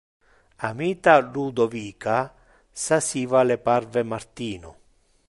Amita Ludovica sasiva le parve Martino.